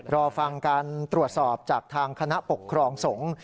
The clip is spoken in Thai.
รอฟังการตรวจสอบจากทางคณะปกครองสงฆ์